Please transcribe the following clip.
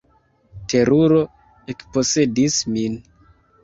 Teruro ekposedis min.